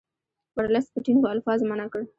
ورلسټ په ټینګو الفاظو منع کړ.